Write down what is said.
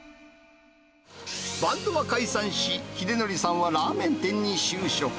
バンドは解散し、英紀さんはラーメン店に就職。